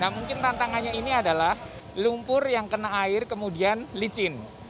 mungkin tantangannya ini adalah lumpur yang kena air kemudian licin